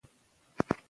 خلکو هغه خوښ کړ.